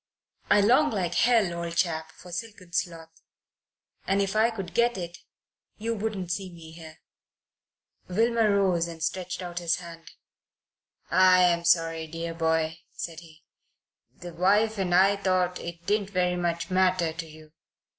I long like hell, old chap, for silken sloth, and if I could get it, you wouldn't see me here." Wilmer rose and stretched out his hand. "I'm sorry, dear boy," said he. "The wife and I thought it didn't very much matter to you.